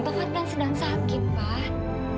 taufan kan sedang sakit pak